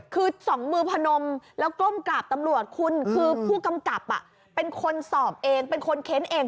คือส่องมือพนมแล้วก้มกราบตำรวจคุณคือผู้กำกับเป็นคนสอบเองเป็นคนเค้นเอง